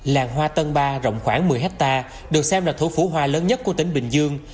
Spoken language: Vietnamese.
làng hoa tân ba rộng khoảng một mươi hectare được xem là thủ phủ hoa lớn nhất của tỉnh bình dương